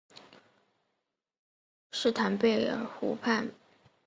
施坦贝格湖畔贝恩里特是德国巴伐利亚州的一个市镇。